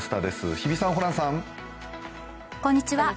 日比さん、ホランさん。